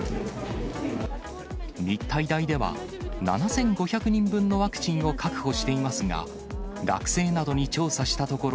日体大では、７５００人分のワクチンを確保していますが、学生などに調査したところ、